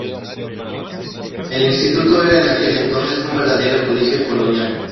El Instituto era en aquel entonces un verdadero colegio colonial.